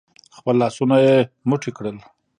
خپل لاسونه يې موټي کړل.